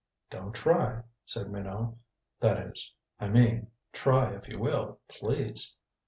"Don't try," said Minot. "That is I mean try, if you will, please."